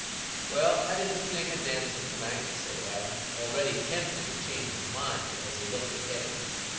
"Well, I didn't think o' dancing to night," said Adam, already tempted to change his mind, as he looked at Hetty.